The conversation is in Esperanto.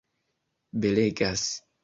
belegas